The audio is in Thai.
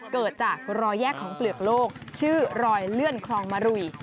เกิดจากรอยแยกของเปลือกโลกชื่อรอยเลื่อนคลองมารุย